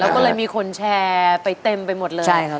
แล้วก็เลยมีคนแชร์ไปเต็มไปหมดเลย